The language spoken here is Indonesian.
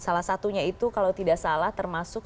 salah satunya itu kalau tidak salah termasuk